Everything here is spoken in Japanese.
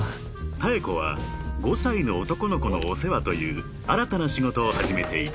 ［妙子は５歳の男の子のお世話という新たな仕事を始めていた］